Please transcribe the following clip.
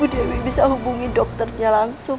bu dewi bisa hubungi dokternya langsung